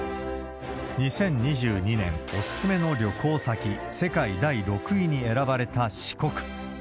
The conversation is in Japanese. ２０２２年おすすめの旅行先世界第６位に選ばれた四国。